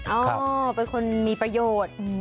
เออเป็นคนมีประโยชน์